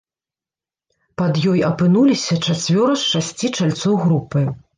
Пад ёй апынуліся чацвёра з шасці чальцоў групы.